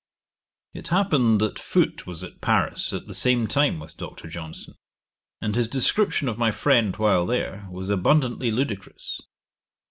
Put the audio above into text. It happened that Foote was at Paris at the same time with Dr. Johnson, and his description of my friend while there, was abundantly ludicrous.